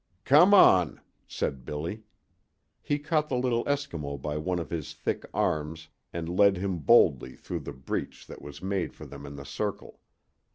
"Come on!" said Billy. He caught the little Eskimo by one of his thick arms and led him boldly through the breach that was made for them in the circle.